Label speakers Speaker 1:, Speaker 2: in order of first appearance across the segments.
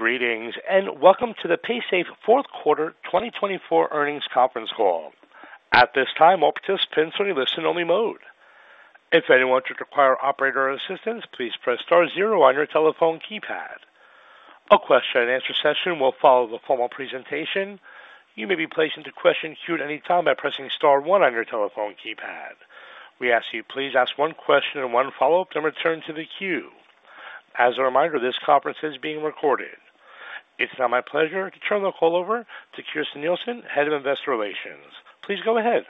Speaker 1: At this time, all participants are in listen-only mode. If anyone should require operator assistance, please press star zero on your telephone keypad. A question-and-answer session will follow the formal presentation. You may be placed into question queue at any time by pressing star one on your telephone keypad. We ask that you please ask one question and one follow-up, then return to the queue. As a reminder, this conference is being recorded. It's now my pleasure to turn the call over to Kirsten Nielsen, Head of Investor Relations. Please go ahead.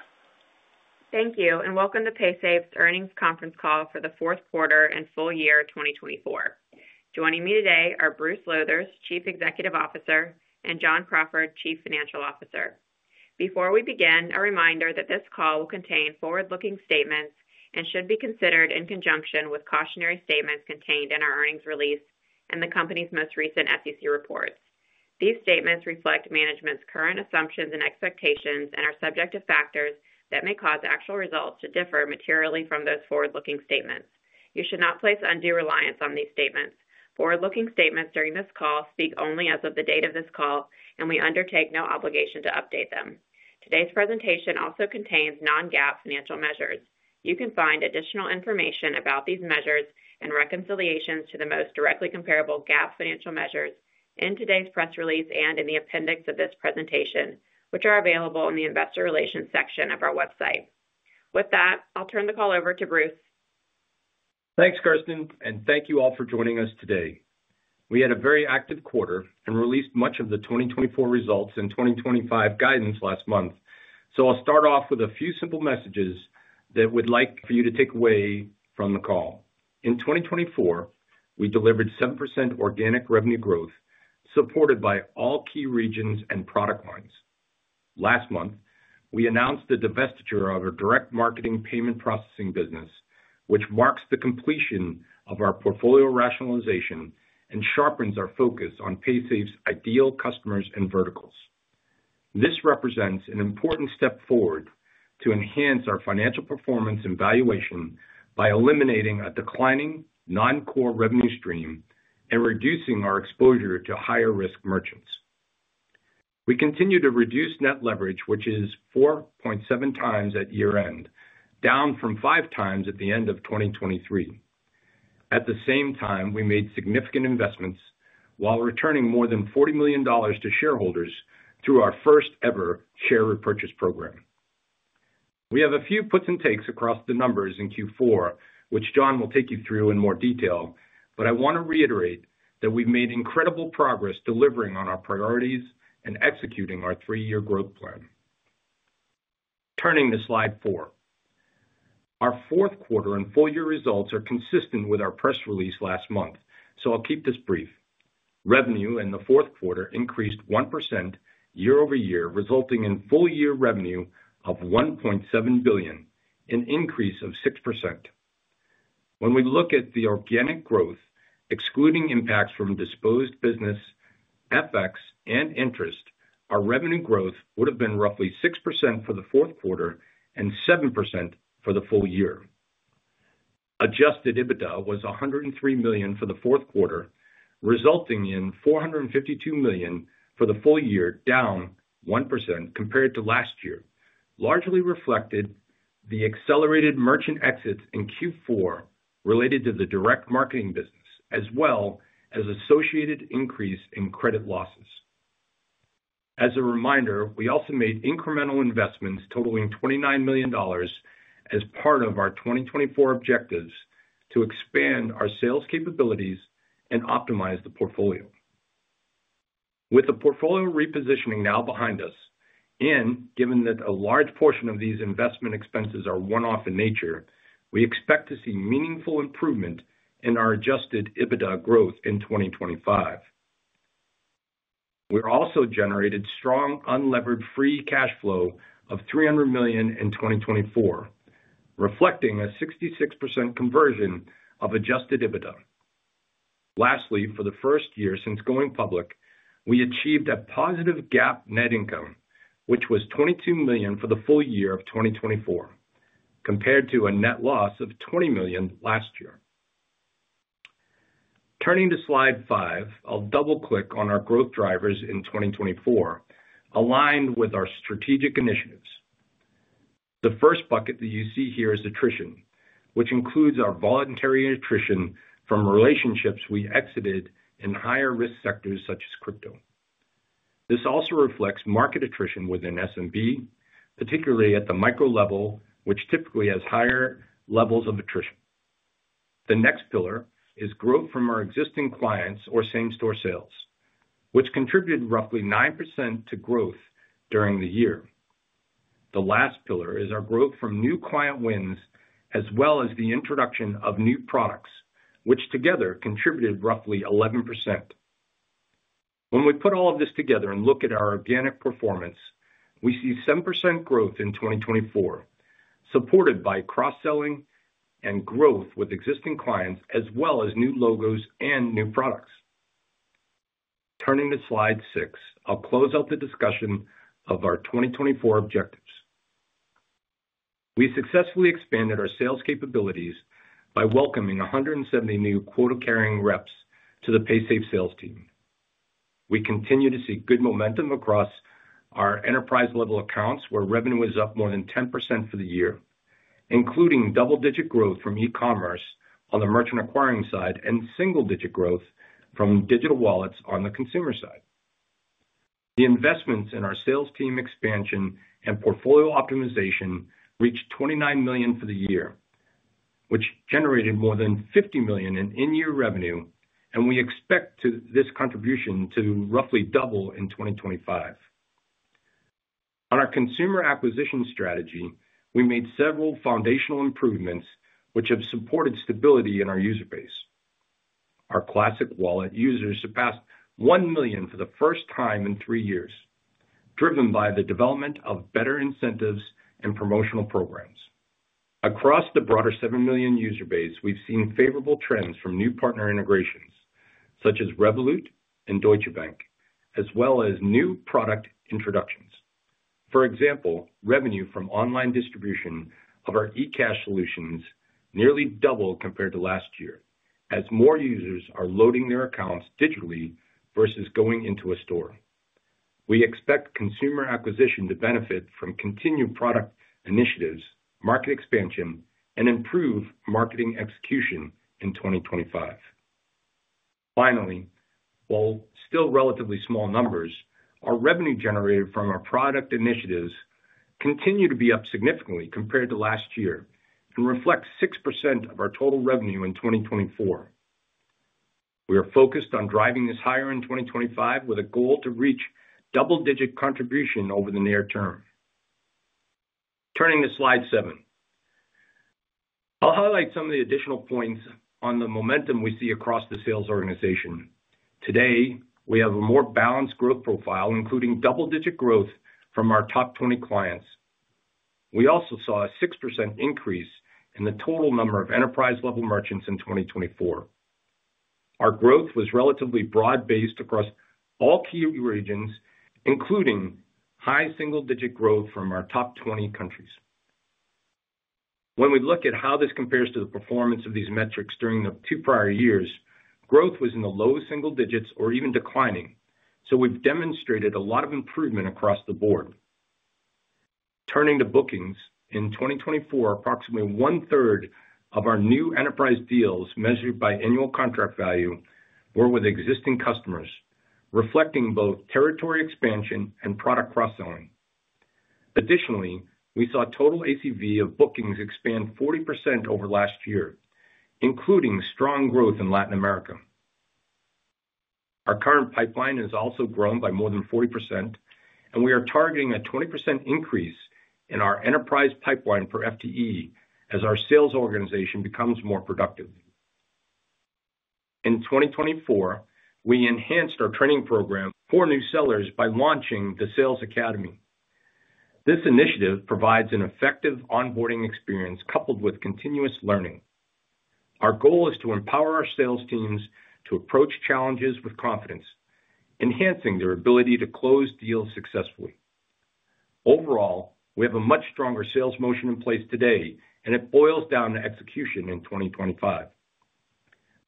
Speaker 2: Thank you, and welcome to Paysafe's Earnings Conference Call for the fourth quarter and full year 2024. Joining me today are Bruce Lowthers, Chief Executive Officer, and John Crawford, Chief Financial Officer. Before we begin, a reminder that this call will contain forward-looking statements and should be considered in conjunction with cautionary statements contained in our earnings release and the company's most recent SEC reports. These statements reflect management's current assumptions and expectations and are subject to factors that may cause actual results to differ materially from those forward-looking statements. You should not place undue reliance on these statements. Forward-looking statements during this call speak only as of the date of this call, and we undertake no obligation to update them. Today's presentation also contains non-GAAP financial measures. You can find additional information about these measures and reconciliations to the most directly comparable GAAP financial measures in today's press release and in the appendix of this presentation, which are available in the Investor Relations section of our website. With that, I'll turn the call over to Bruce.
Speaker 3: Thanks, Kirsten, and thank you all for joining us today. We had a very active quarter and released much of the 2024 results and 2025 guidance last month. I will start off with a few simple messages that I would like for you to take away from the call. In 2024, we delivered 7% organic revenue growth supported by all key regions and product lines. Last month, we announced the divestiture of our direct marketing payment processing business, which marks the completion of our portfolio rationalization and sharpens our focus on Paysafe's ideal customers and verticals. This represents an important step forward to enhance our financial performance and valuation by eliminating a declining non-core revenue stream and reducing our exposure to higher-risk merchants. We continue to reduce net leverage, which is 4.7 times at year-end, down from five times at the end of 2023. At the same time, we made significant investments while returning more than $40 million to shareholders through our first-ever share repurchase program. We have a few puts and takes across the numbers in Q4, which John will take you through in more detail, but I want to reiterate that we've made incredible progress delivering on our priorities and executing our three-year growth plan. Turning to slide four, our fourth quarter and full year results are consistent with our press release last month, so I'll keep this brief. Revenue in the fourth quarter increased 1% year-over-year, resulting in full year revenue of $1.7 billion, an increase of 6%. When we look at the organic growth, excluding impacts from disposed business, FX, and interest, our revenue growth would have been roughly 6% for the fourth quarter and 7% for the full year. Adjusted EBITDA was $103 million for the fourth quarter, resulting in $452 million for the full year, down 1% compared to last year, largely reflecting the accelerated merchant exits in Q4 related to the direct marketing business, as well as associated increase in credit losses. As a reminder, we also made incremental investments totaling $29 million as part of our 2024 objectives to expand our sales capabilities and optimize the portfolio. With the portfolio repositioning now behind us, and given that a large portion of these investment expenses are one-off in nature, we expect to see meaningful improvement in our adjusted EBITDA growth in 2025. We also generated strong unlevered free cash flow of $300 million in 2024, reflecting a 66% conversion of adjusted EBITDA. Lastly, for the first year since going public, we achieved a positive GAAP Net Income, which was $22 million for the full year of 2024, compared to a net loss of $20 million last year. Turning to slide five, I'll double-click on our growth drivers in 2024, aligned with our strategic initiatives. The first bucket that you see here is attrition, which includes our voluntary attrition from relationships we exited in higher-risk sectors such as crypto. This also reflects market attrition within SMB, particularly at the micro level, which typically has higher levels of attrition. The next pillar is growth from our existing clients or same-store sales, which contributed roughly 9% to growth during the year. The last pillar is our growth from new client wins, as well as the introduction of new products, which together contributed roughly 11%. When we put all of this together and look at our organic performance, we see 10% growth in 2024, supported by cross-selling and growth with existing clients, as well as new logos and new products. Turning to slide six, I'll close out the discussion of our 2024 objectives. We successfully expanded our sales capabilities by welcoming 170 new quota-carrying reps to the Paysafe sales team. We continue to see good momentum across our enterprise-level accounts, where revenue is up more than 10% for the year, including double-digit growth from e-commerce on the merchant acquiring side and single-digit growth from digital wallets on the consumer side. The investments in our sales team expansion and portfolio optimization reached $29 million for the year, which generated more than $50 million in in-year revenue, and we expect this contribution to roughly double in 2025. On our consumer acquisition strategy, we made several foundational improvements, which have supported stability in our user base. Our classic wallet users surpassed $1 million for the first time in three years, driven by the development of better incentives and promotional programs. Across the broader 7 million user base, we've seen favorable trends from new partner integrations, such as Revolut and Deutsche Bank, as well as new product introductions. For example, revenue from online distribution of our e-cash solutions nearly doubled compared to last year, as more users are loading their accounts digitally versus going into a store. We expect consumer acquisition to benefit from continued product initiatives, market expansion, and improved marketing execution in 2025. Finally, while still relatively small numbers, our revenue generated from our product initiatives continues to be up significantly compared to last year and reflects 6% of our total revenue in 2024. We are focused on driving this higher in 2025 with a goal to reach double-digit contribution over the near term. Turning to slide seven, I'll highlight some of the additional points on the momentum we see across the sales organization. Today, we have a more balanced growth profile, including double-digit growth from our top 20 clients. We also saw a 6% increase in the total number of enterprise-level merchants in 2024. Our growth was relatively broad-based across all key regions, including high single-digit growth from our top 20 countries. When we look at how this compares to the performance of these metrics during the two prior years, growth was in the low single digits or even declining, so we've demonstrated a lot of improvement across the board. Turning to bookings, in 2024, approximately one-third of our new enterprise deals measured by annual contract value were with existing customers, reflecting both territory expansion and product cross-selling. Additionally, we saw total ACV of bookings expand 40% over last year, including strong growth in Latin America. Our current pipeline has also grown by more than 40%, and we are targeting a 20% increase in our enterprise pipeline per FTE as our sales organization becomes more productive. In 2024, we enhanced our training program for new sellers by launching the Sales Academy. This initiative provides an effective onboarding experience coupled with continuous learning. Our goal is to empower our sales teams to approach challenges with confidence, enhancing their ability to close deals successfully. Overall, we have a much stronger sales motion in place today, and it boils down to execution in 2025.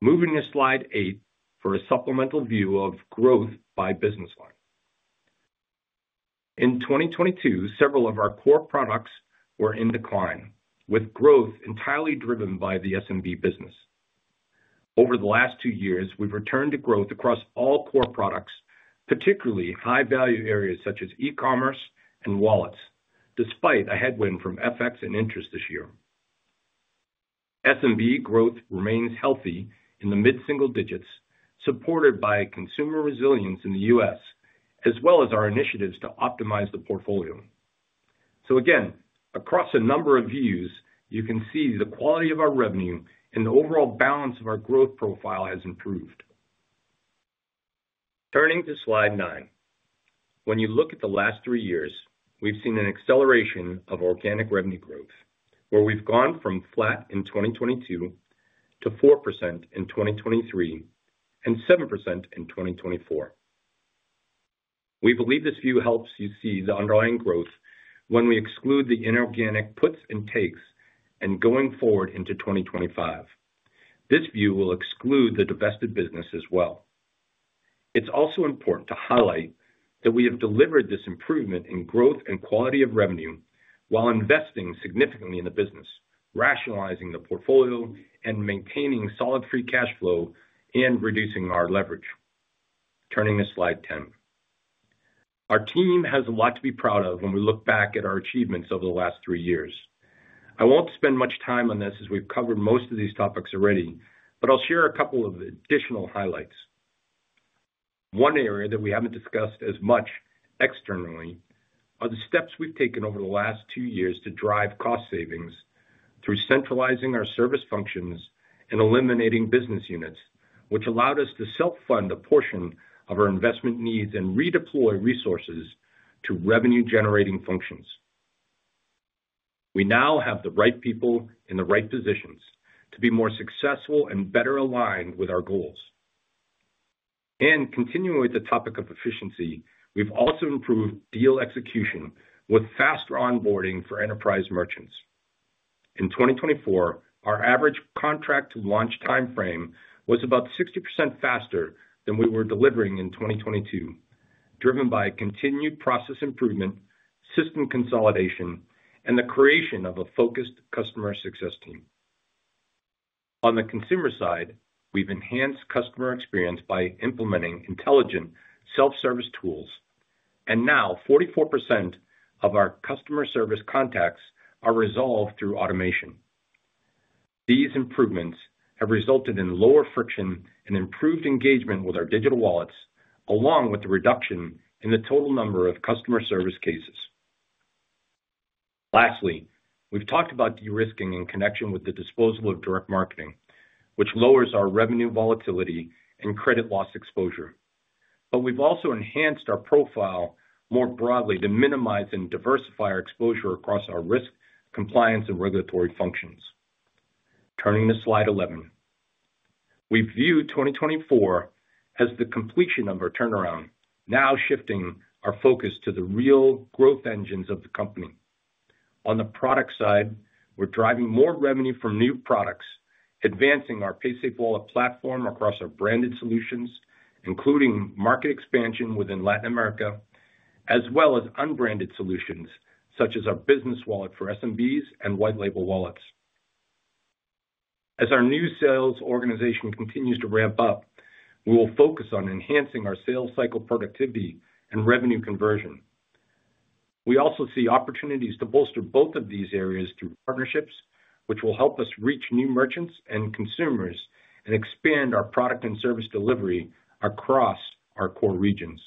Speaker 3: Moving to slide eight for a supplemental view of growth by business line. In 2022, several of our core products were in decline, with growth entirely driven by the SMB business. Over the last two years, we've returned to growth across all core products, particularly high-value areas such as e-commerce and wallets, despite a headwind from FX and interest this year. SMB growth remains healthy in the mid-single digits, supported by consumer resilience in the U.S., as well as our initiatives to optimize the portfolio. Across a number of views, you can see the quality of our revenue and the overall balance of our growth profile has improved. Turning to slide nine, when you look at the last three years, we've seen an acceleration of organic revenue growth, where we've gone from flat in 2022 to 4% in 2023 and 7% in 2024. We believe this view helps you see the underlying growth when we exclude the inorganic puts and takes and going forward into 2025. This view will exclude the divested business as well. It's also important to highlight that we have delivered this improvement in growth and quality of revenue while investing significantly in the business, rationalizing the portfolio and maintaining solid free cash flow and reducing our leverage. Turning to slide 10, our team has a lot to be proud of when we look back at our achievements over the last three years. I won't spend much time on this as we've covered most of these topics already, but I'll share a couple of additional highlights. One area that we haven't discussed as much externally are the steps we've taken over the last two years to drive cost savings through centralizing our service functions and eliminating business units, which allowed us to self-fund a portion of our investment needs and redeploy resources to revenue-generating functions. We now have the right people in the right positions to be more successful and better aligned with our goals. Continuing with the topic of efficiency, we've also improved deal execution with faster onboarding for enterprise merchants. In 2024, our average contract launch timeframe was about 60% faster than we were delivering in 2022, driven by continued process improvement, system consolidation, and the creation of a focused customer success team. On the consumer side, we've enhanced customer experience by implementing intelligent self-service tools, and now 44% of our customer service contacts are resolved through automation. These improvements have resulted in lower friction and improved engagement with our digital wallets, along with the reduction in the total number of customer service cases. Lastly, we have talked about de-risking in connection with the disposal of direct marketing, which lowers our revenue volatility and credit loss exposure. We have also enhanced our profile more broadly to minimize and diversify our exposure across our risk, compliance, and regulatory functions. Turning to slide 11, we have viewed 2024 as the completion of our turnaround, now shifting our focus to the real growth engines of the company. On the product side, we are driving more revenue from new products, advancing our Paysafe Wallet platform across our branded solutions, including market expansion within Latin America, as well as unbranded solutions such as our business wallet for SMBs and white label wallets. As our new sales organization continues to ramp up, we will focus on enhancing our sales cycle productivity and revenue conversion. We also see opportunities to bolster both of these areas through partnerships, which will help us reach new merchants and consumers and expand our product and service delivery across our core regions.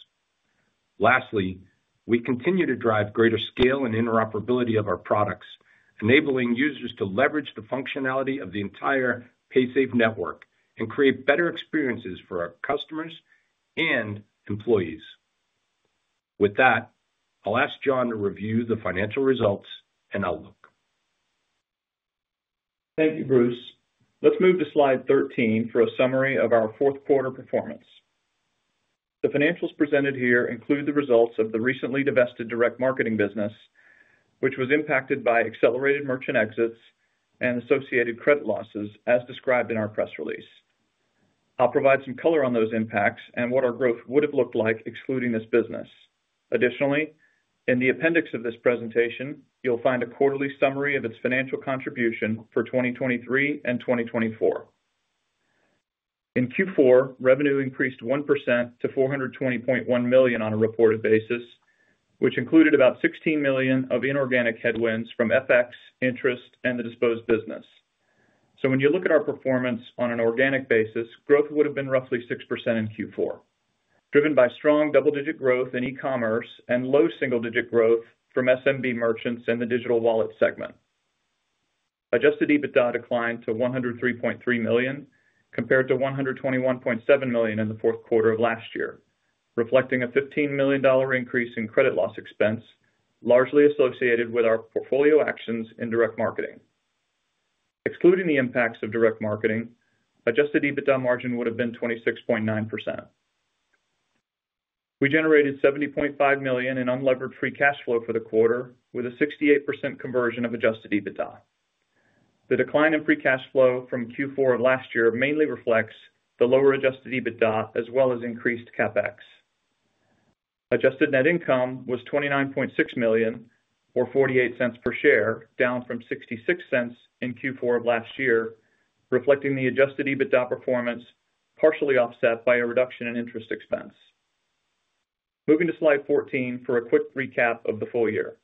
Speaker 3: Lastly, we continue to drive greater scale and interoperability of our products, enabling users to leverage the functionality of the entire Paysafe network and create better experiences for our customers and employees. With that, I'll ask John to review the financial results and outlook.
Speaker 4: Thank you, Bruce. Let's move to slide 13 for a summary of our fourth quarter performance. The financials presented here include the results of the recently divested direct marketing business, which was impacted by accelerated merchant exits and associated credit losses, as described in our press release. I'll provide some color on those impacts and what our growth would have looked like excluding this business. Additionally, in the appendix of this presentation, you'll find a quarterly summary of its financial contribution for 2023 and 2024. In Q4, revenue increased 1% to $420.1 million on a reported basis, which included about $16 million of inorganic headwinds from FX, interest, and the disposed business. When you look at our performance on an organic basis, growth would have been roughly 6% in Q4, driven by strong double-digit growth in e-commerce and low single-digit growth from SMB merchants and the digital wallet segment. Adjusted EBITDA declined to $103.3 million, compared to $121.7 million in the fourth quarter of last year, reflecting a $15 million increase in credit loss expense, largely associated with our portfolio actions in direct marketing. Excluding the impacts of direct marketing, adjusted EBITDA margin would have been 26.9%. We generated $70.5 million in unlevered free cash flow for the quarter, with a 68% conversion of adjusted EBITDA. The decline in free cash flow from Q4 of last year mainly reflects the lower adjusted EBITDA, as well as increased CapEx. Adjusted net income was $29.6 million, or $0.48 per share, down from $0.66 in Q4 of last year, reflecting the adjusted EBITDA performance partially offset by a reduction in interest expense. Moving to slide 14 for a quick recap of the full year.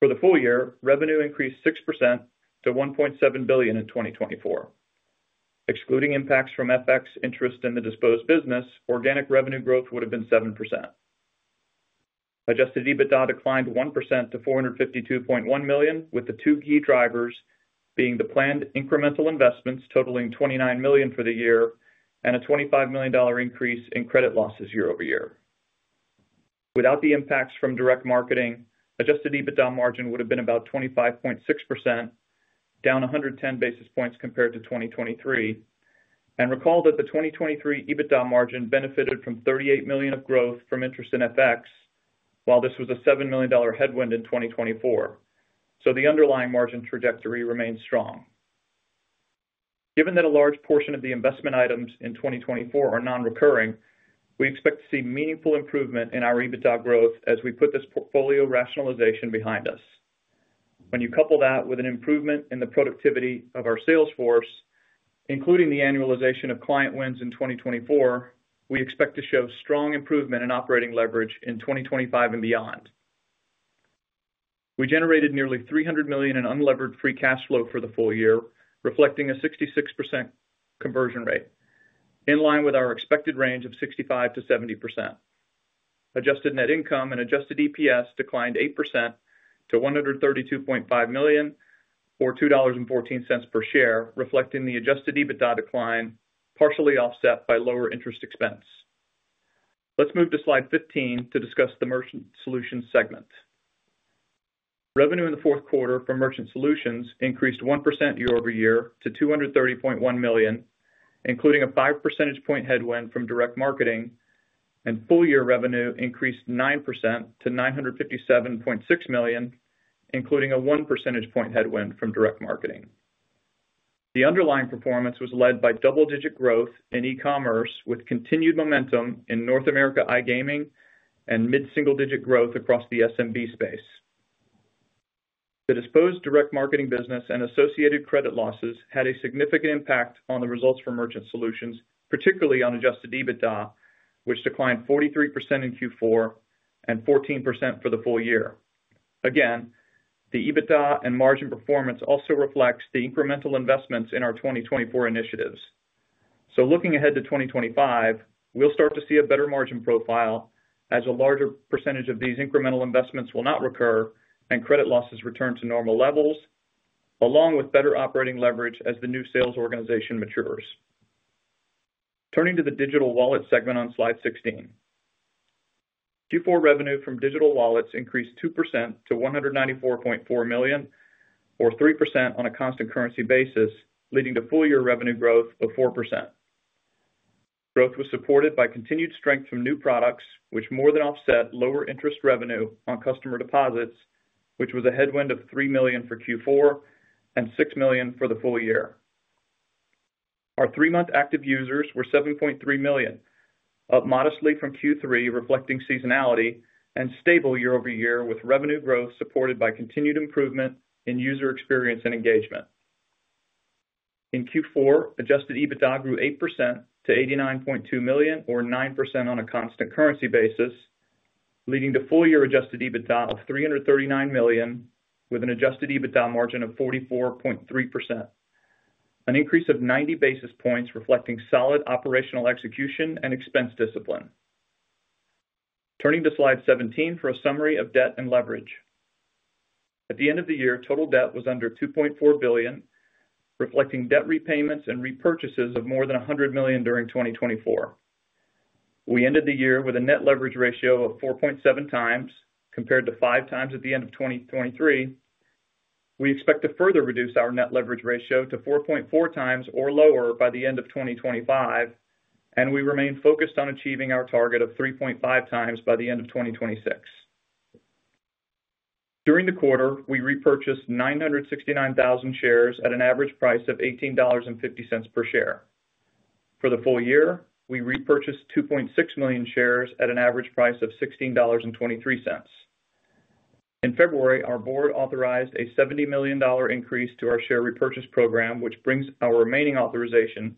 Speaker 4: For the full year, revenue increased 6% to $1.7 billion in 2024. Excluding impacts from FX, interest, and the disposed business, organic revenue growth would have been 7%. Adjusted EBITDA declined 1% to $452.1 million, with the two key drivers being the planned incremental investments totaling $29 million for the year and a $25 million increase in credit losses year-over-year. Without the impacts from direct marketing, adjusted EBITDA margin would have been about 25.6%, down 110 basis points compared to 2023. Recall that the 2023 EBITDA margin benefited from $38 million of growth from interest in FX, while this was a $7 million headwind in 2024. The underlying margin trajectory remains strong. Given that a large portion of the investment items in 2024 are non-recurring, we expect to see meaningful improvement in our EBITDA growth as we put this portfolio rationalization behind us. When you couple that with an improvement in the productivity of our sales force, including the annualization of client wins in 2024, we expect to show strong improvement in operating leverage in 2025 and beyond. We generated nearly $300 million in unlevered free cash flow for the full year, reflecting a 66% conversion rate, in line with our expected range of 65%-70%. Adjusted net income and adjusted EPS declined 8% to $132.5 million, or $2.14 per share, reflecting the adjusted EBITDA decline partially offset by lower interest expense. Let's move to slide 15 to discuss the merchant solutions segment. Revenue in the fourth quarter for merchant solutions increased 1% year over year to $230.1 million, including a 5 percentage point headwind from direct marketing, and full year revenue increased 9% to $957.6 million, including a 1 percentage point headwind from direct marketing. The underlying performance was led by double-digit growth in e-commerce with continued momentum in North America iGaming and mid-single digit growth across the SMB space. The disposed direct marketing business and associated credit losses had a significant impact on the results for merchant solutions, particularly on adjusted EBITDA, which declined 43% in Q4 and 14% for the full year. Again, the EBITDA and margin performance also reflects the incremental investments in our 2024 initiatives. Looking ahead to 2025, we'll start to see a better margin profile as a larger percentage of these incremental investments will not recur and credit losses return to normal levels, along with better operating leverage as the new sales organization matures. Turning to the digital wallet segment on slide 16, Q4 revenue from digital wallets increased 2% to $194.4 million, or 3% on a constant currency basis, leading to full year revenue growth of 4%. Growth was supported by continued strength from new products, which more than offset lower interest revenue on customer deposits, which was a headwind of $3 million for Q4 and $6 million for the full year. Our three-month active users were 7.3 million, up modestly from Q3, reflecting seasonality and stable year over year, with revenue growth supported by continued improvement in user experience and engagement. In Q4, adjusted EBITDA grew 8% to $89.2 million, or 9% on a constant currency basis, leading to full year adjusted EBITDA of $339 million, with an adjusted EBITDA margin of 44.3%, an increase of 90 basis points reflecting solid operational execution and expense discipline. Turning to slide 17 for a summary of debt and leverage. At the end of the year, total debt was under $2.4 billion, reflecting debt repayments and repurchases of more than $100 million during 2024. We ended the year with a net leverage ratio of 4.7 times, compared to five times at the end of 2023. We expect to further reduce our net leverage ratio to 4.4 times or lower by the end of 2025, and we remain focused on achieving our target of 3.5 times by the end of 2026. During the quarter, we repurchased 969,000 shares at an average price of $18.50 per share. For the full year, we repurchased 2.6 million shares at an average price of $16.23. In February, our board authorized a $70 million increase to our share repurchase program, which brings our remaining authorization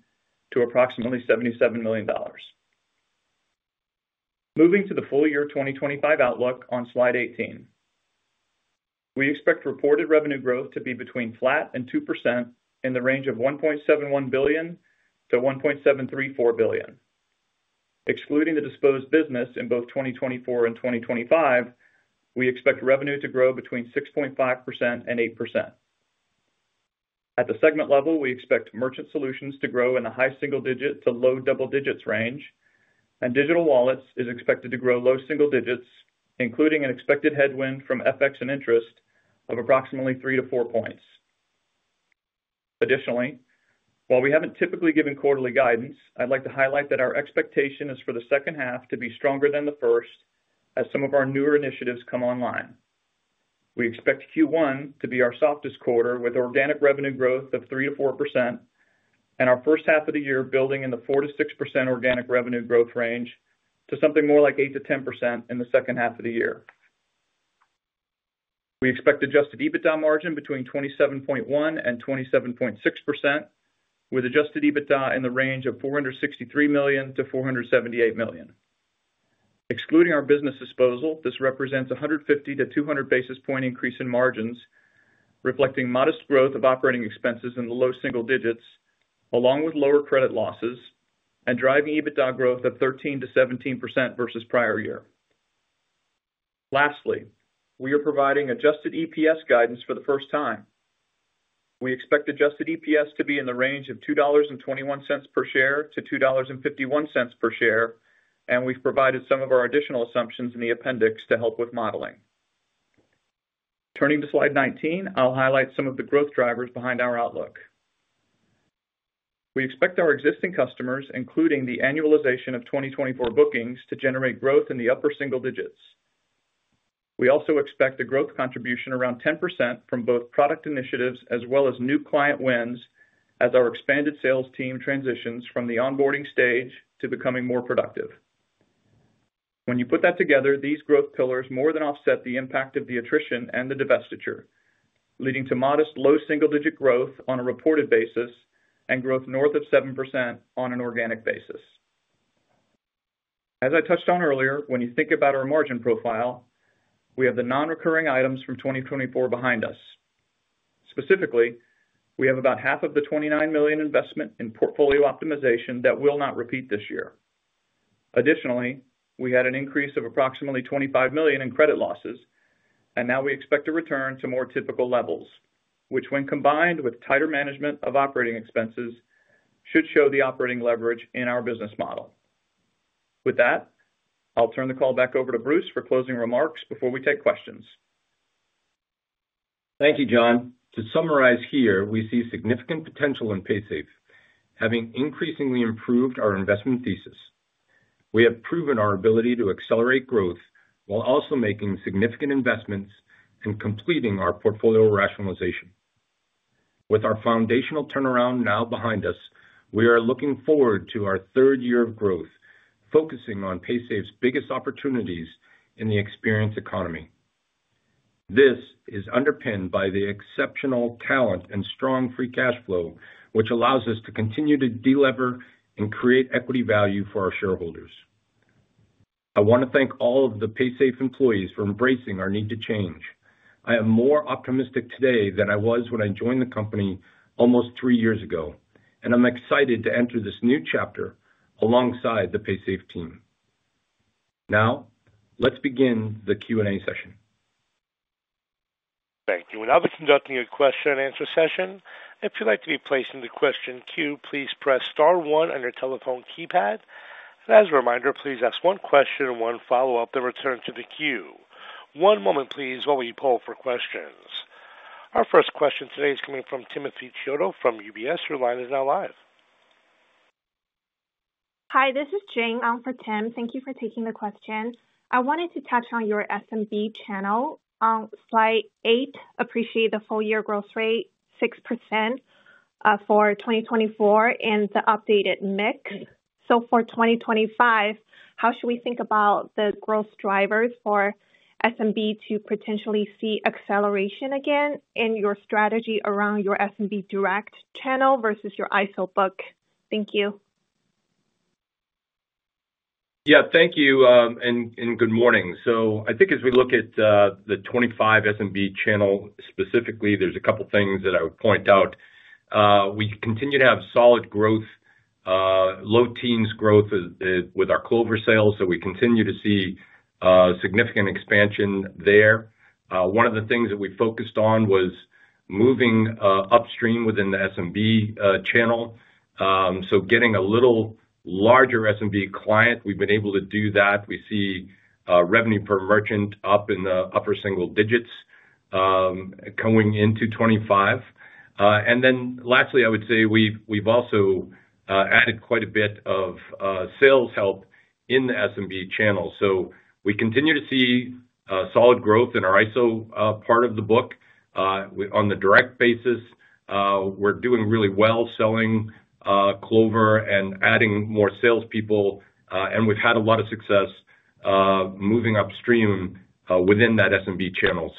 Speaker 4: to approximately $77 million. Moving to the full year 2025 outlook on slide 18, we expect reported revenue growth to be between flat and 2% in the range of $1.71 billion-$1.734 billion. Excluding the disposed business in both 2024 and 2025, we expect revenue to grow between 6.5% and 8%. At the segment level, we expect merchant solutions to grow in the high single digit to low double digits range, and digital wallets is expected to grow low single digits, including an expected headwind from FX and interest of approximately 3-4 points. Additionally, while we haven't typically given quarterly guidance, I'd like to highlight that our expectation is for the second half to be stronger than the first as some of our newer initiatives come online. We expect Q1 to be our softest quarter with organic revenue growth of 3%-4%, and our first half of the year building in the 4%-6% organic revenue growth range to something more like 8%-10% in the second half of the year. We expect adjusted EBITDA margin between 27.1% and 27.6%, with adjusted EBITDA in the range of $463 million to $478 million. Excluding our business disposal, this represents a 150-200 basis point increase in margins, reflecting modest growth of operating expenses in the low single digits, along with lower credit losses and driving EBITDA growth of 13%-17% versus prior year. Lastly, we are providing adjusted EPS guidance for the first time. We expect adjusted EPS to be in the range of $2.21 per share to $2.51 per share, and we have provided some of our additional assumptions in the appendix to help with modeling. Turning to slide 19, I will highlight some of the growth drivers behind our outlook. We expect our existing customers, including the annualization of 2024 bookings, to generate growth in the upper single digits. We also expect a growth contribution around 10% from both product initiatives as well as new client wins as our expanded sales team transitions from the onboarding stage to becoming more productive. When you put that together, these growth pillars more than offset the impact of the attrition and the divestiture, leading to modest low single digit growth on a reported basis and growth north of 7% on an organic basis. As I touched on earlier, when you think about our margin profile, we have the non-recurring items from 2024 behind us. Specifically, we have about half of the $29 million investment in portfolio optimization that will not repeat this year. Additionally, we had an increase of approximately $25 million in credit losses, and now we expect to return to more typical levels, which when combined with tighter management of operating expenses should show the operating leverage in our business model. With that, I'll turn the call back over to Bruce for closing remarks before we take questions.
Speaker 1: Thank you, John. To summarize here, we see significant potential in Paysafe, having increasingly improved our investment thesis. We have proven our ability to accelerate growth while also making significant investments and completing our portfolio rationalization. With our foundational turnaround now behind us, we are looking forward to our third year of growth, focusing on Paysafe's biggest opportunities in the experienced economy. This is underpinned by the exceptional talent and strong free cash flow, which allows us to continue to deliver and create equity value for our shareholders. I want to thank all of the Paysafe employees for embracing our need to change. I am more optimistic today than I was when I joined the company almost three years ago, and I'm excited to enter this new chapter alongside the Paysafe team. Now, let's begin the Q&A session. Thank you. Now we're conducting a question-and-answer session. If you'd like to be placed in the question queue, please press star one on your telephone keypad. As a reminder, please ask one question and one follow-up then return to the queue. One moment, please, while we pull for questions. Our first question today is coming from Timothy Chiodo from UBS. Your line is now live.
Speaker 5: Hi, this is Jing. I'm for Tim. Thank you for taking the question. I wanted to touch on your SMB channel. On slide 8, I appreciate the full year growth rate, 6% for 2024, and the updated mix. For 2025, how should we think about the growth drivers for SMB to potentially see acceleration again in your strategy around your SMB direct channel versus your ISO book? Thank you.
Speaker 3: Thank you. Good morning. I think as we look at the 2025 SMB channel specifically, there are a couple of things that I would point out. We continue to have solid growth, low teens growth with our Clover sales. We continue to see significant expansion there. One of the things that we focused on was moving upstream within the SMB channel. Getting a little larger SMB client, we have been able to do that. We see revenue per merchant up in the upper single digits coming into 2025. Lastly, I would say we've also added quite a bit of sales help in the SMB channel. We continue to see solid growth in our ISO part of the book on the direct basis. We're doing really well selling Clover and adding more salespeople. We've had a lot of success moving upstream within that SMB channel.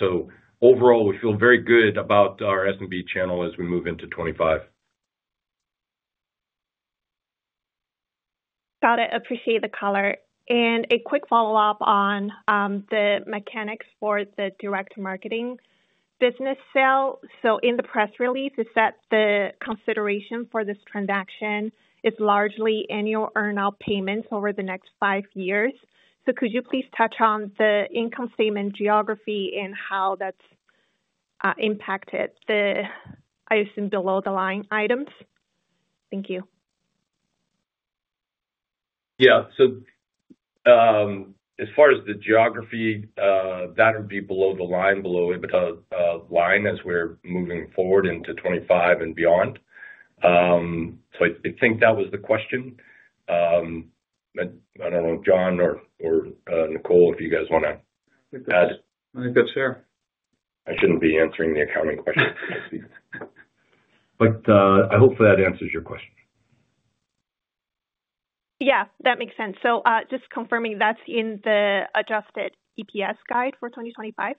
Speaker 3: Overall, we feel very good about our SMB channel as we move into 2025.
Speaker 5: Got it. Appreciate the color. A quick follow-up on the mechanics for the direct marketing business sale. In the press release, it said the consideration for this transaction is largely annual earn-out payments over the next five years. Could you please touch on the income statement geography and how that's impacted the, I assume, below-the-line items? Thank you.
Speaker 3: Yeah. As far as the geography, that would be below the line, below the line as we're moving forward into 2025 and beyond. I think that was the question. I don't know if John or Nicole, if you guys want to add. I think that's fair. I shouldn't be answering the accounting question. I hope that answers your question.
Speaker 5: Yeah, that makes sense. Just confirming that's in the adjusted EPS guide for 2025?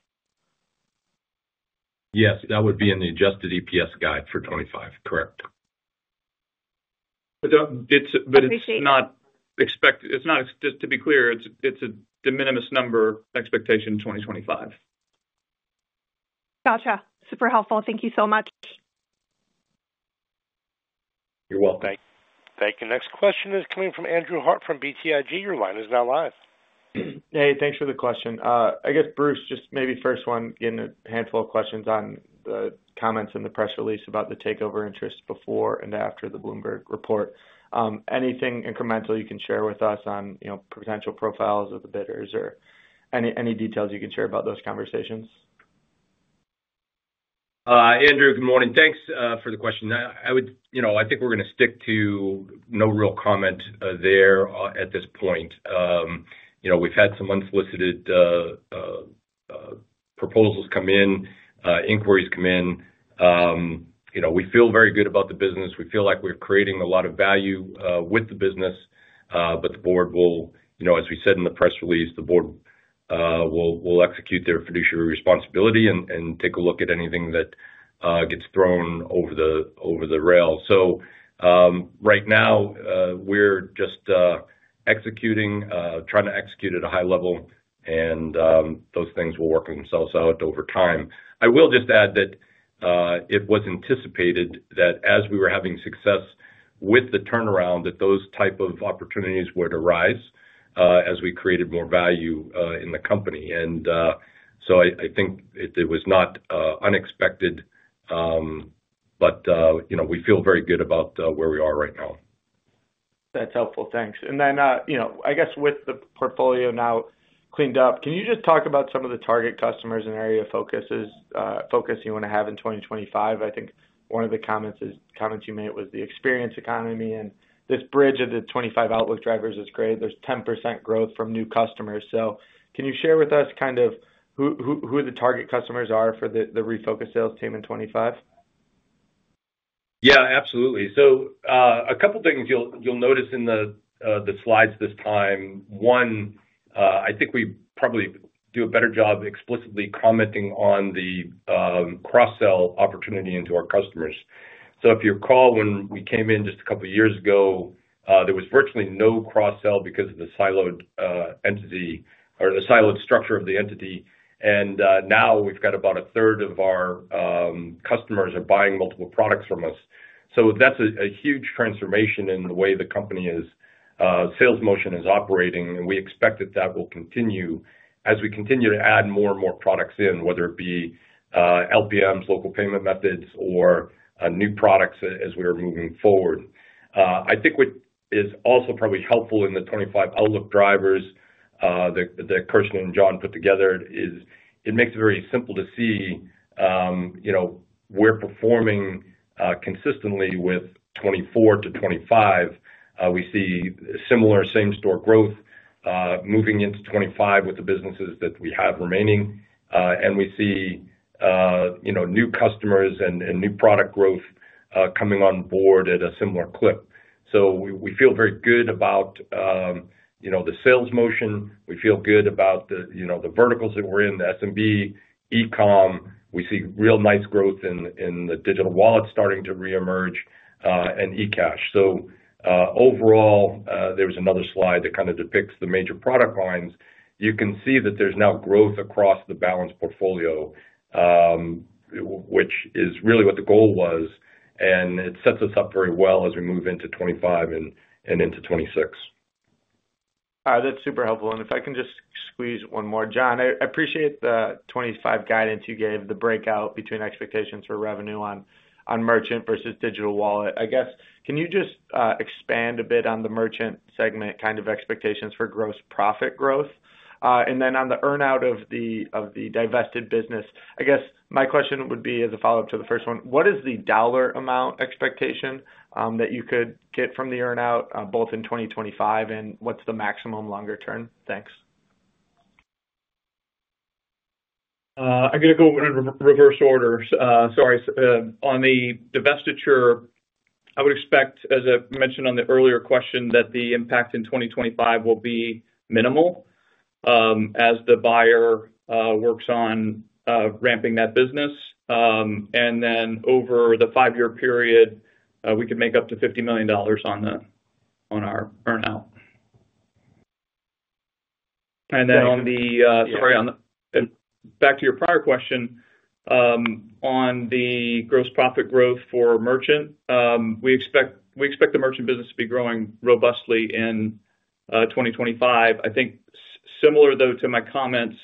Speaker 3: Yes, that would be in the adjusted EPS guide for 2025. Correct.
Speaker 4: It's not expected. It's not, just to be clear, it's a de minimis number expectation in 2025.
Speaker 5: Gotcha. Super helpful. Thank you so much.
Speaker 3: You're welcome.
Speaker 1: Thank you. Thank you. Next question is coming from Andrew Hart from BTIG. Your line is now live.
Speaker 6: Hey, thanks for the question. I guess, Bruce, just maybe first one, getting a handful of questions on the comments in the press release about the takeover interest before and after the Bloomberg report. Anything incremental you can share with us on potential profiles of the bidders or any details you can share about those conversations?
Speaker 3: Andrew, good morning. Thanks for the question. I think we're going to stick to no real comment there at this point. We've had some unsolicited proposals come in, inquiries come in. We feel very good about the business. We feel like we're creating a lot of value with the business. The board will, as we said in the press release, the board will execute their fiduciary responsibility and take a look at anything that gets thrown over the rail. Right now, we're just executing, trying to execute at a high level, and those things will work themselves out over time. I will just add that it was anticipated that as we were having success with the turnaround, that those type of opportunities would arise as we created more value in the company. I think it was not unexpected, but we feel very good about where we are right now.
Speaker 6: That's helpful. Thanks. I guess with the portfolio now cleaned up, can you just talk about some of the target customers and area of focus you want to have in 2025? I think one of the comments you made was the experience economy, and this bridge of the 2025 outlook drivers is great. There's 10% growth from new customers. Can you share with us kind of who the target customers are for the refocus sales team in 2025?
Speaker 3: Yeah, absolutely. A couple of things you'll notice in the slides this time. One, I think we probably do a better job explicitly commenting on the cross-sell opportunity into our customers. If you recall, when we came in just a couple of years ago, there was virtually no cross-sell because of the siloed entity or the siloed structure of the entity. Now we've got about a third of our customers buying multiple products from us. That's a huge transformation in the way the company's sales motion is operating. We expect that will continue as we continue to add more and more products in, whether it be LPMs, local payment methods, or new products as we are moving forward. I think what is also probably helpful in the 2025 outlook drivers that Kirsten and John put together is it makes it very simple to see we're performing consistently with 2024 to 2025. We see similar same-store growth moving into 2025 with the businesses that we have remaining. We see new customers and new product growth coming on board at a similar clip. We feel very good about the sales motion. We feel good about the verticals that we're in, the SMB, e-com. We see real nice growth in the digital wallets starting to reemerge and e-cash. Overall, there's another slide that kind of depicts the major product lines. You can see that there's now growth across the balance portfolio, which is really what the goal was. It sets us up very well as we move into 2025 and into 2026.
Speaker 6: That's super helpful. If I can just squeeze one more, John, I appreciate the 2025 guidance you gave, the breakout between expectations for revenue on merchant versus digital wallet. I guess, can you just expand a bit on the merchant segment kind of expectations for gross profit growth? Then on the earn-out of the divested business, I guess my question would be as a follow-up to the first one, what is the dollar amount expectation that you could get from the earn-out both in 2025, and what's the maximum longer-term? Thanks. I'm going to go in reverse order. Sorry. On the divestiture, I would expect, as I mentioned on the earlier question, that the impact in 2025 will be minimal as the buyer works on ramping that business. Over the five-year period, we could make up to $50 million on our earn-out. Then on the. Sorry. Back to your prior question. On the gross profit growth for merchant, we expect the merchant business to be growing robustly in 2025. I think similar, though, to my comments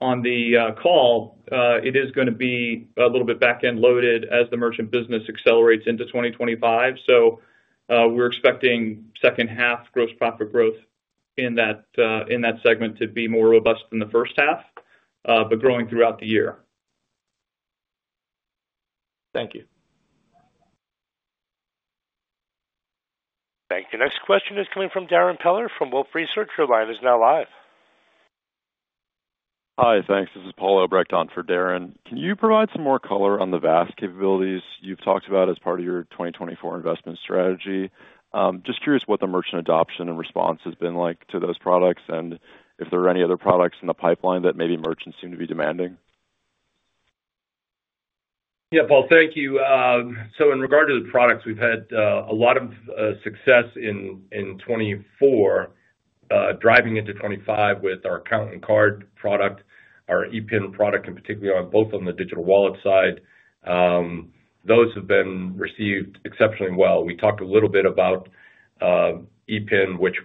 Speaker 6: on the call, it is going to be a little bit back-end loaded as the merchant business accelerates into 2025. We are expecting second-half gross profit growth in that segment to be more robust than the first half, but growing throughout the year. Thank you.
Speaker 1: Thank you. Next question is coming from Darren Peller from Wolfe Research. Your line is now live.
Speaker 7: Hi, thanks. This is Paul Overton for Darren. Can you provide some more color on the vast capabilities you've talked about as part of your 2024 investment strategy? Just curious what the merchant adoption and response has been like to those products and if there are any other products in the pipeline that maybe merchants seem to be demanding.
Speaker 3: Yeah, Paul, thank you. In regard to the products, we've had a lot of success in 2024 driving into 2025 with our Account and Card product, our EPIN product, and particularly on both on the digital wallet side. Those have been received exceptionally well. We talked a little bit about EPIN, which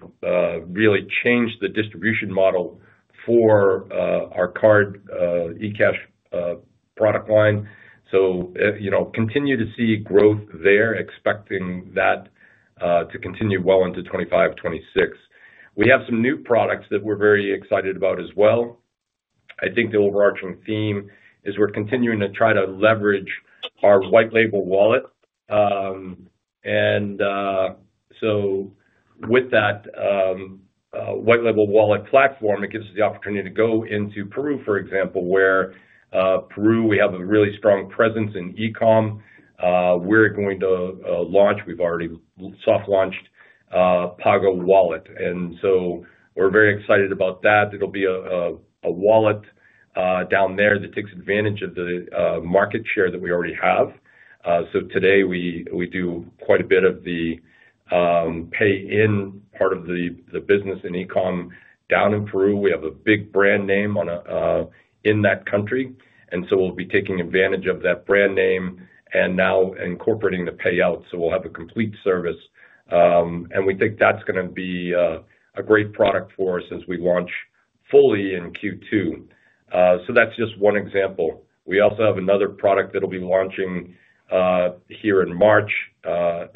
Speaker 3: really changed the distribution model for our card E-Cash product line. Continue to see growth there, expecting that to continue well into 2025, 2026. We have some new products that we're very excited about as well. I think the overarching theme is we're continuing to try to leverage our white label wallet. With that white label wallet platform, it gives us the opportunity to go into Peru, for example, where Peru, we have a really strong presence in e-com. We're going to launch, we've already soft-launched Pago Wallet. We're very excited about that. It'll be a wallet down there that takes advantage of the market share that we already have. Today, we do quite a bit of the pay-in part of the business in e-com down in Peru. We have a big brand name in that country. We'll be taking advantage of that brand name and now incorporating the payout. We'll have a complete service. We think that's going to be a great product for us as we launch fully in Q2. That's just one example. We also have another product that'll be launching here in March.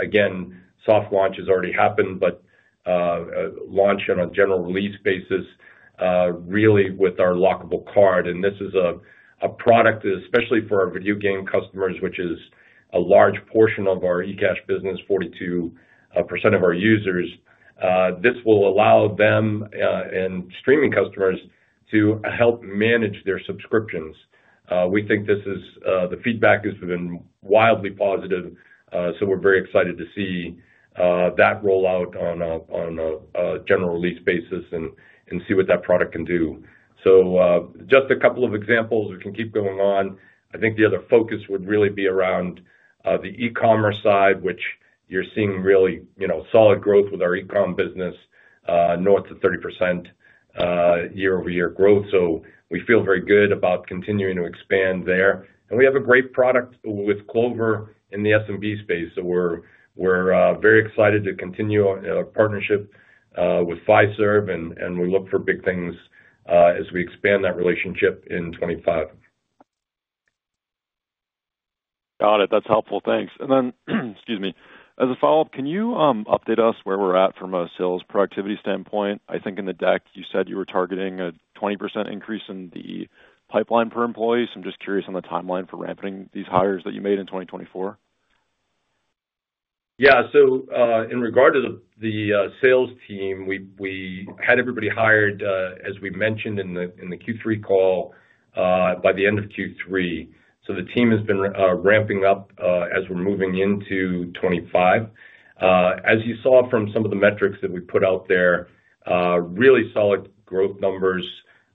Speaker 3: Again, soft launch has already happened, but launch on a general release basis, really with our Lockable Card. And this is a product especially for our video game customers, which is a large portion of our e-cash business, 42% of our users. This will allow them and streaming customers to help manage their subscriptions. We think the feedback has been wildly positive. We are very excited to see that rollout on a general release basis and see what that product can do. Just a couple of examples. We can keep going on. I think the other focus would really be around the e-commerce side, which you are seeing really solid growth with our e-com business, north of 30% year-over-year growth. We feel very good about continuing to expand there. We have a great product with Clover in the SMB space. We're very excited to continue our partnership with Fiserv. We look for big things as we expand that relationship in 2025.
Speaker 7: Got it. That's helpful. Thanks. Excuse me, as a follow-up, can you update us where we're at from a sales productivity standpoint? I think in the deck, you said you were targeting a 20% increase in the pipeline per employee. I'm just curious on the timeline for ramping these hires that you made in 2024.
Speaker 3: Yeah. In regard to the sales team, we had everybody hired, as we mentioned in the Q3 call, by the end of Q3. The team has been ramping up as we're moving into 2025. As you saw from some of the metrics that we put out there, really solid growth numbers.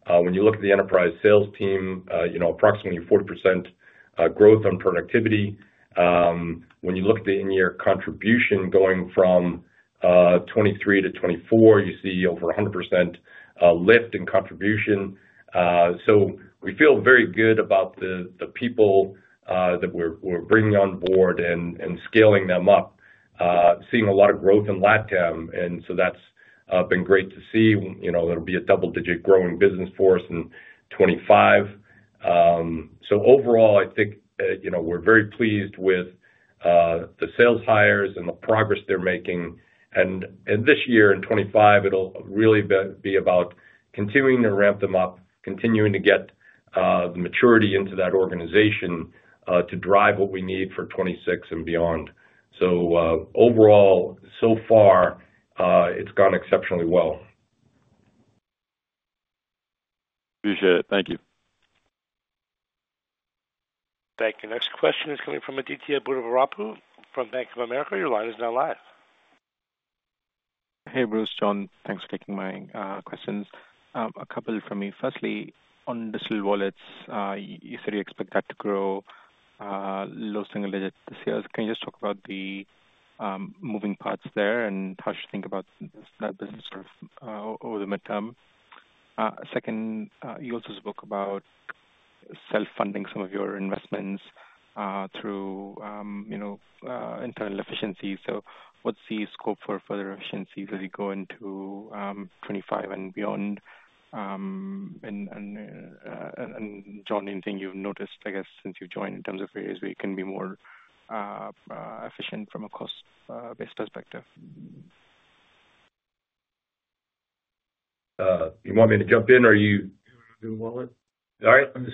Speaker 3: When you look at the enterprise sales team, approximately 40% growth on productivity. When you look at the in-year contribution going from 2023 to 2024, you see over 100% lift in contribution. We feel very good about the people that we're bringing on board and scaling them up, seeing a lot of growth in LATAM. That has been great to see. It will be a double-digit growing business for us in 2025. Overall, I think we're very pleased with the sales hires and the progress they're making. This year in 2025, it will really be about continuing to ramp them up, continuing to get the maturity into that organization to drive what we need for 2026 and beyond. Overall, so far, it's gone exceptionally well.
Speaker 7: Appreciate it. Thank you.
Speaker 1: Thank you. Next question is coming from Aditya Buddhavarapu from Bank of America. Your line is now live.
Speaker 8: Hey, Bruce. John, thanks for taking my questions. A couple from me. Firstly, on digital wallets, you said you expect that to grow low single-digit sales. Can you just talk about the moving parts there and how should you think about that business over the midterm? Second, you also spoke about self-funding some of your investments through internal efficiency. What is the scope for further efficiencies as you go into 2025 and beyond? And John, anything you've noticed, I guess, since you've joined in terms of areas where you can be more efficient from a cost-based perspective?
Speaker 3: You want me to jump in or you? You want to do the wallet? All right. On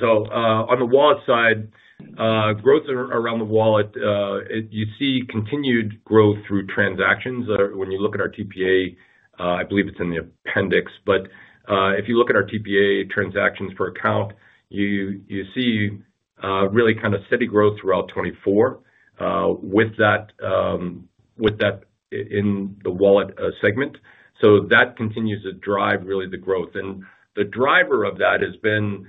Speaker 3: the wallet side, growth around the wallet, you see continued growth through transactions. When you look at our TPA, I believe it's in the appendix. If you look at our TPA, transactions per account, you see really kind of steady growth throughout 2024 with that in the wallet segment. That continues to drive really the growth. The driver of that has been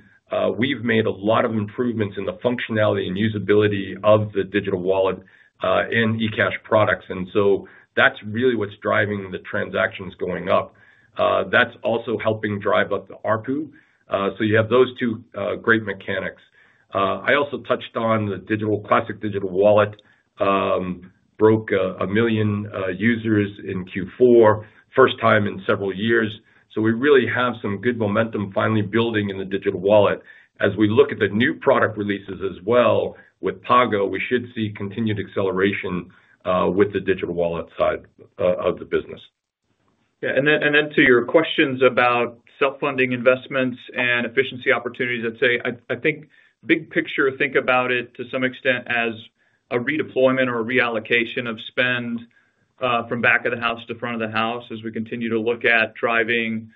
Speaker 3: we've made a lot of improvements in the functionality and usability of the digital wallet and e-cash products. That's really what's driving the transactions going up. That's also helping drive up the ARPU. You have those two great mechanics. I also touched on the classic digital wallet broke a million users in Q4, first time in several years. We really have some good momentum finally building in the digital wallet. As we look at the new product releases as well with Pago, we should see continued acceleration with the digital wallet side of the business.
Speaker 4: Yeah. To your questions about self-funding investments and efficiency opportunities, I'd say I think big picture, think about it to some extent as a redeployment or reallocation of spend from back of the house to front of the house as we continue to look at driving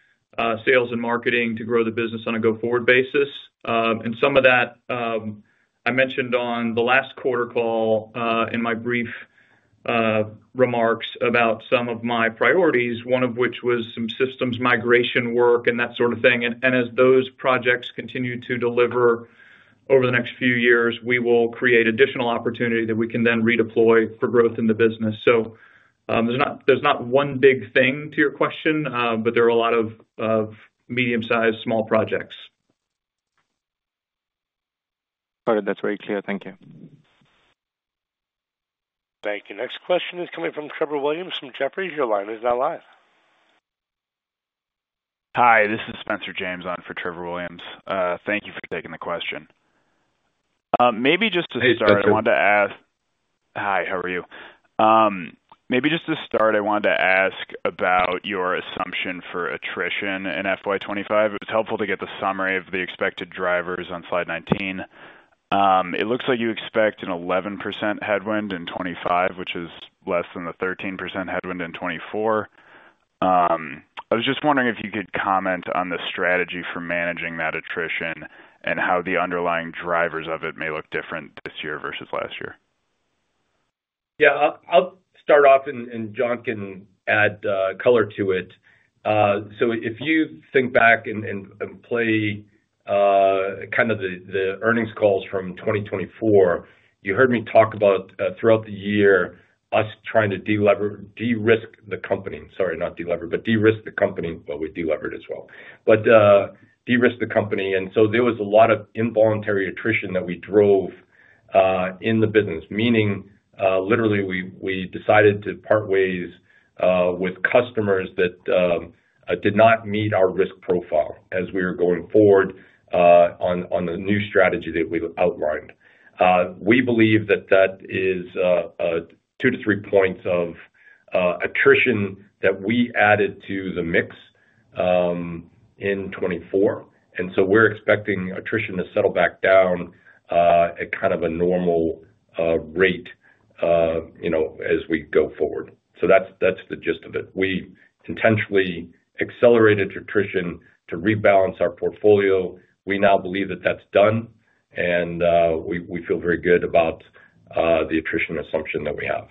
Speaker 4: sales and marketing to grow the business on a go-forward basis. Some of that I mentioned on the last quarter call in my brief remarks about some of my priorities, one of which was some systems migration work and that sort of thing. As those projects continue to deliver over the next few years, we will create additional opportunity that we can then redeploy for growth in the business. There is not one big thing to your question, but there are a lot of medium-sized small projects.
Speaker 8: All right. That's very clear. Thank you.
Speaker 1: Thank you. Next question is coming from Trevor Williams from Jefferies. Your line is now live. Hi. This is Spencer James on for Trevor Williams. Thank you for taking the question. Maybe just to start.
Speaker 3: Hey, Spencer. I wanted to ask hi, how are you? Maybe just to start, I wanted to ask about your assumption for attrition in FY2025. It was helpful to get the summary of the expected drivers on slide 19. It looks like you expect an 11% headwind in 2025, which is less than the 13% headwind in 2024. I was just wondering if you could comment on the strategy for managing that attrition and how the underlying drivers of it may look different this year versus last year. Yeah. I'll start off and, John, can add color to it. If you think back and play kind of the earnings calls from 2024, you heard me talk about throughout the year us trying to de-risk the company. Sorry, not de-lever, but de-risk the company, but we de-levered as well. De-risk the company. There was a lot of involuntary attrition that we drove in the business, meaning literally we decided to part ways with customers that did not meet our risk profile as we were going forward on the new strategy that we outlined. We believe that that is two to three percentage points of attrition that we added to the mix in 2024. We are expecting attrition to settle back down at kind of a normal rate as we go forward. That is the gist of it. We intentionally accelerated attrition to rebalance our portfolio. We now believe that that is done. We feel very good about the attrition assumption that we have.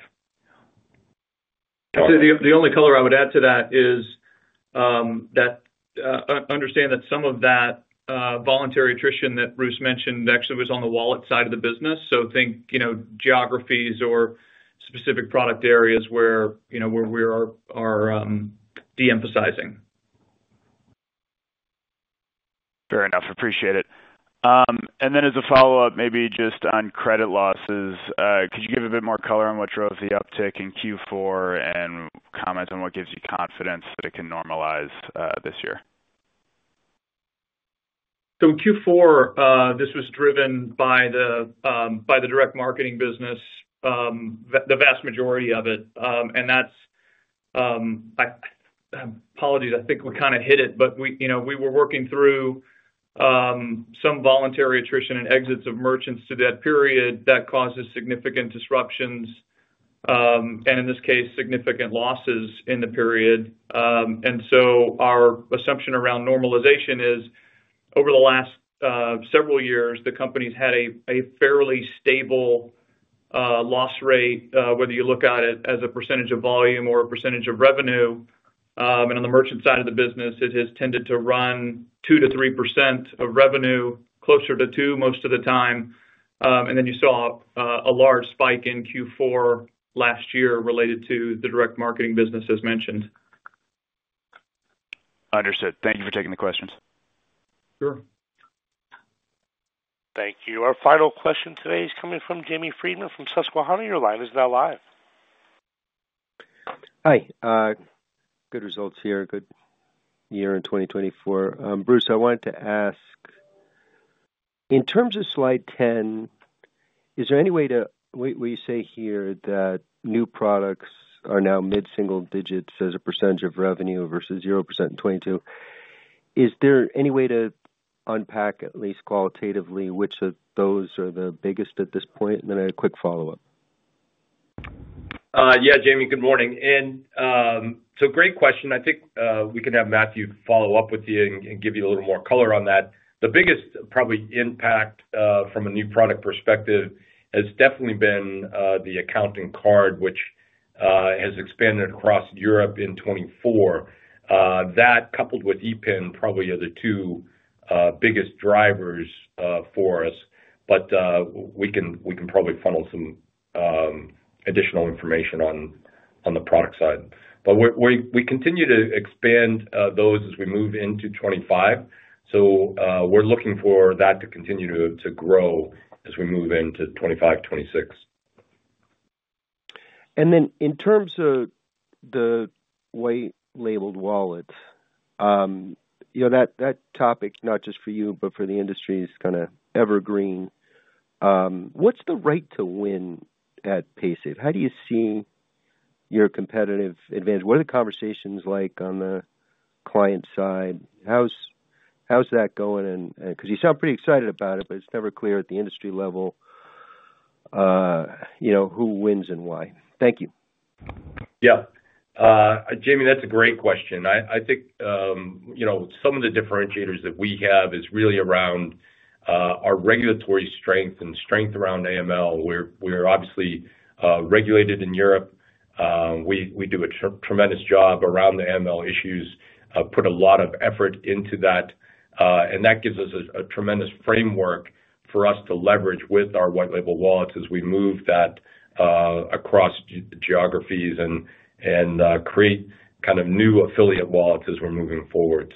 Speaker 4: The only color I would add to that is that I understand that some of that voluntary attrition that Bruce mentioned actually was on the wallet side of the business. Think geographies or specific product areas where we are de-emphasizing.
Speaker 9: Fair enough. Appreciate it. As a follow-up, maybe just on credit losses, could you give a bit more color on what drove the uptick in Q4 and comment on what gives you confidence that it can normalize this year?
Speaker 4: In Q4, this was driven by the direct marketing business, the vast majority of it. Apologies, I think we kind of hit it, but we were working through some voluntary attrition and exits of merchants during that period that caused significant disruptions and, in this case, significant losses in the period. Our assumption around normalization is over the last several years, the company's had a fairly stable loss rate, whether you look at it as a percentage of volume or a percentage of revenue. On the merchant side of the business, it has tended to run 2-3% of revenue, closer to 2% most of the time. You saw a large spike in Q4 last year related to the direct marketing business, as mentioned.
Speaker 9: Understood. Thank you for taking the questions. Sure.
Speaker 1: Thank you. Our final question today is coming from Jamie Friedman from Susquehanna. Your line is now live.
Speaker 10: Hi. Good results here. Good year in 2024. Bruce, I wanted to ask, in terms of slide 10, is there any way to—well, you say here that new products are now mid-single digits as a percentage of revenue versus 0% in 2022. Is there any way to unpack, at least qualitatively, which of those are the biggest at this point? A quick follow-up.
Speaker 3: Yeah, Jamie, good morning. Great question. I think we can have Matthew follow up with you and give you a little more color on that. The biggest probably impact from a new product perspective has definitely been the Account and Card, which has expanded across Europe in 2024. That, coupled with EPIN, probably are the two biggest drivers for us. We can probably funnel some additional information on the product side. We continue to expand those as we move into 2025. We are looking for that to continue to grow as we move into 2025, 2026.
Speaker 10: In terms of the white-labeled wallets, that topic, not just for you, but for the industry, is kind of evergreen. What's the right to win at Paysafe? How do you see your competitive advantage? What are the conversations like on the client side? How's that going? Because you sound pretty excited about it, but it's never clear at the industry level who wins and why. Thank you.
Speaker 3: Yeah. Jamie, that's a great question. I think some of the differentiators that we have is really around our regulatory strength and strength around AML. We're obviously regulated in Europe. We do a tremendous job around the AML issues, put a lot of effort into that. That gives us a tremendous framework for us to leverage with our white-label wallets as we move that across geographies and create kind of new affiliate wallets as we're moving forward.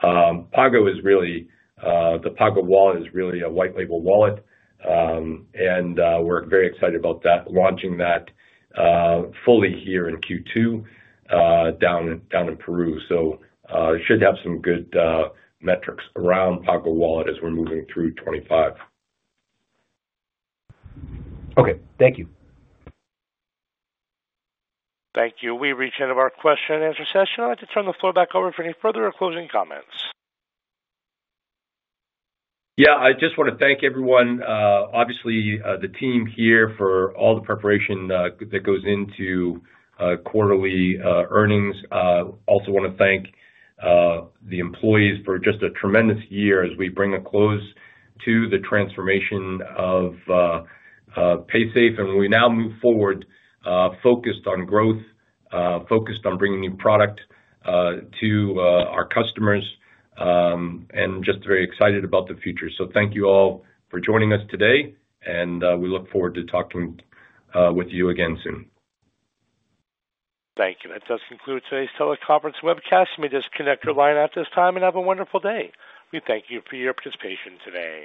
Speaker 3: Pago is really—the Pago Wallet is really a white-label wallet. We're very excited about launching that fully here in Q2 down in Peru. It should have some good metrics around Pago Wallet as we are moving through 2025.
Speaker 10: Thank you.
Speaker 1: Thank you. We reached the end of our question-and-answer session. I would like to turn the floor back over for any further or closing comments.
Speaker 3: I just want to thank everyone, obviously, the team here for all the preparation that goes into quarterly earnings. I also want to thank the employees for just a tremendous year as we bring a close to the transformation of Paysafe. We now move forward focused on growth, focused on bringing new product to our customers, and just very excited about the future. Thank you all for joining us today. We look forward to talking with you again soon.
Speaker 1: Thank you. That does conclude today's teleconference webcast. You may disconnect your line at this time and have a wonderful day. We thank you for your participation today.